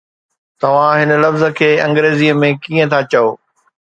توهان هن لفظ کي انگريزيءَ ۾ ڪيئن ٿا چئو؟